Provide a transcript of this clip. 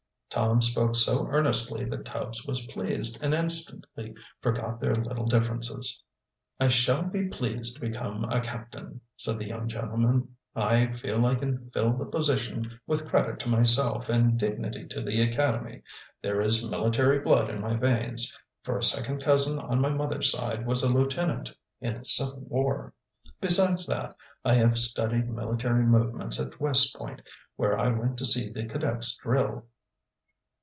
Tom spoke so earnestly that Tubbs was pleased, and instantly forgot their little differences. "I shall be pleased to become a captain," said the young gentleman. "I feel I can fill the position with credit to myself and dignity to the academy. There is military blood in my veins, for a second cousin on my mother's side was a lieutenant in the Civil War. Besides that, I have studied military movements at West Point, where I went to see the cadets drill."